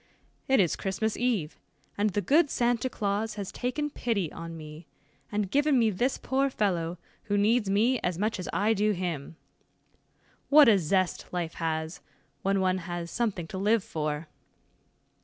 "It is Christmas eve, and the good Santa Claus has taken pity on me, and given me this poor fellow, who needs me as much as I do him. What a zest life has, when one has something to live for."